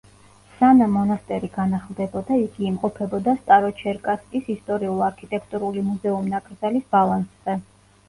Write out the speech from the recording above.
სანამ მონასტერი განახლდებოდა იგი იმყოფებოდა სტაროჩერკასკის ისტორიულ-არქიტექტურული მუზეუმ-ნაკრძალის ბალანსზე.